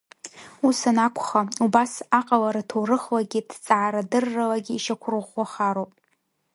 Ус анакәха, убас аҟалара ҭоурыхлагьы, ҭҵаара-дырралагьы ишьақәрӷәӷәахароуп.